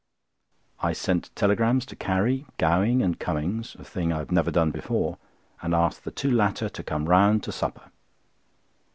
I sent telegrams to Carrie, Gowing, and Cummings (a thing I have never done before), and asked the two latter to come round to supper.